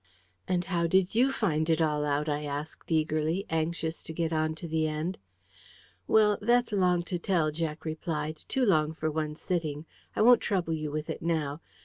"And how did you find it all out?" I asked eagerly, anxious to get on to the end. "Well, that's long to tell," Jack replied. "Too long for one sitting. I won't trouble you with it now.